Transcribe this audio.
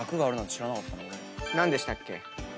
何でしたっけ？